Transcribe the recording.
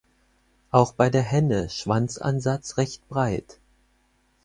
Auch bei der Henne Schwanzansatz recht breit.